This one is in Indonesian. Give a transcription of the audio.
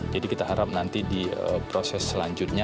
jadi kita harap nanti di proses selanjutnya